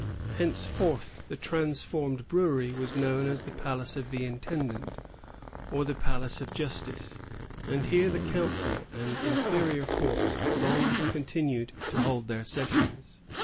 Henceforth the transformed brewery was known as the Palace of the Intendant, or the Palace of Justice ; and here the council and inferior courts long con tinued to hold their sessions.